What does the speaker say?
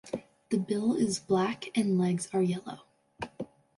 The bill is black and legs are yellow.